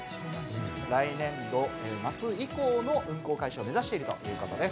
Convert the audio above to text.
来年度末以降の運行開始を目指しているということです。